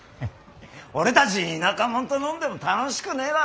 俺たち田舎もんと飲んでも楽しくねえだろ。